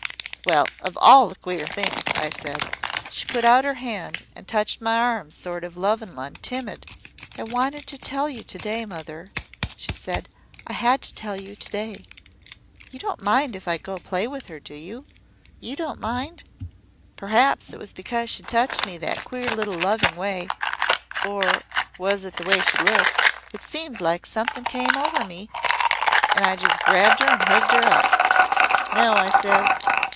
"'Well, of all the queer things,' I said. She put out her hand and touched my arm sort of lovin' an' timid. "'I wanted to tell you to day, mother,' she said. 'I had to tell you to day. You don't mind if I go play with her, do you? You don't mind?' "Perhaps it was because she touched me that queer little loving way or was it the way she looked it seemed like something came over me an' I just grabbed her an' hugged her up. "'No,' I says.